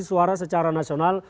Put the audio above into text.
suara secara nasional